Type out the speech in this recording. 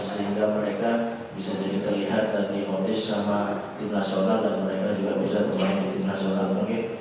sehingga mereka bisa jadi terlihat dan dimotis sama tim nasional dan mereka juga bisa bermain di tim nasional mungkin